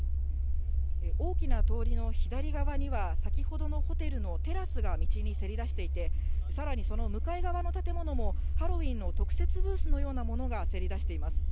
大きな通りの左側には、先ほどのホテルのテラスが道にせり出していて、さらにその向かい側の建物も、ハロウィーンの特設ブースのようなものがせり出しています。